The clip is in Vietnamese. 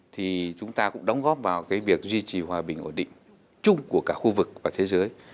thì chúng ta cũng đóng góp vào cái việc duy trì hòa bình ổn định chung của cả khu vực và thế giới